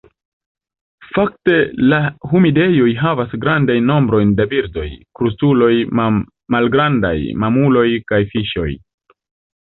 Fakte la humidejoj havas grandajn nombrojn da birdoj, krustuloj, malgrandaj mamuloj kaj fiŝoj.